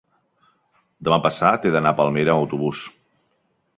Demà passat he d'anar a Palmera amb autobús.